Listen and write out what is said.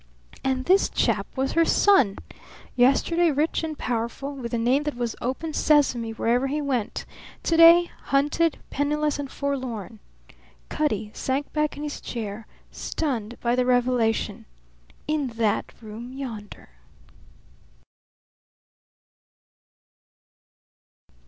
And this chap was her son! Yesterday, rich and powerful, with a name that was open sesame wherever he went; to day, hunted, penniless, and forlorn. Cutty sank back in his chair, stunned by the revelation. In that room yonder!